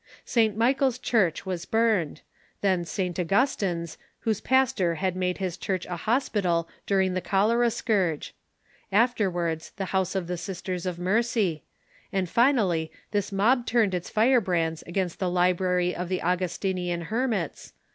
St. Michael's Church was burned ; then St. Augustine's, whose pastor had made his church a hospital during the cholera scourge ; afterwards the House of the Sisters of Mercy ; and, finally, this mob turned its firebrands against the Library of the Augustinian Hermits.